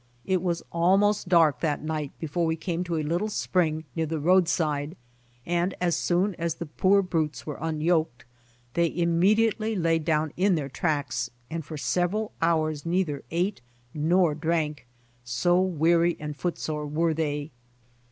It was almost dark that night before we came to a little spring near the road side, and as soon as the poor brutes were unyoked, they immediately lay down in their tracks, and for several hours neither ate nor drank, so weary and footsore were they.